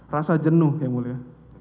rasa jenuh ya mulia